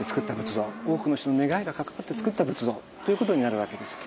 多くの人の願いが関わってつくった仏像っていうことになるわけです。